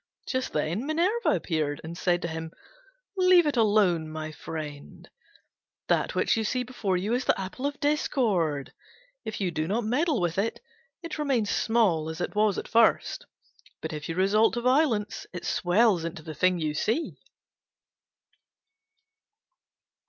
Just then Minerva appeared, and said to him, "Leave it alone, my friend; that which you see before you is the apple of discord: if you do not meddle with it, it remains small as it was at first, but if you resort to violence it swells into the thing you see."